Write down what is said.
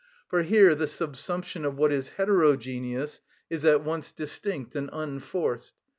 For here the subsumption of what is heterogeneous is at once distinct and unforced.